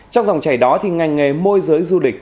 trong dòng chảy đó thì ngành nghề môi giới du lịch